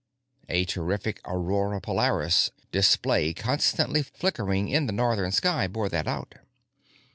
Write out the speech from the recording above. A terrific aurora polaris display constantly flickering in the northern sky bore that out.